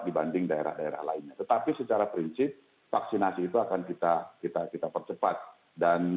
dibanding daerah daerah lainnya tetapi secara prinsip vaksinasi itu akan kita kita percepat dan